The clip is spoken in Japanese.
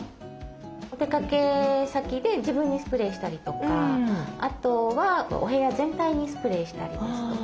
お出かけ先で自分にスプレーしたりとかあとはお部屋全体にスプレーしたりですとか。